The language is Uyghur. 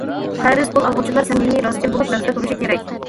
قەرز پۇل ئالغۇچىلار سەمىمىي، راستچىل بولۇپ لەۋزىدە تۇرۇشى كېرەك.